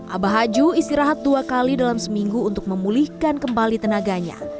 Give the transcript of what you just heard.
abah aju istirahat dua kali dalam seminggu untuk memulihkan kembali tenaganya